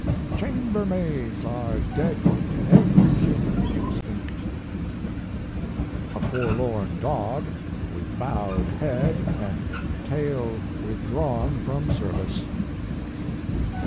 4 Chambermaids are dead to every human instinct." "A forlorn dog, with bowed head, and tail withdrawn from service."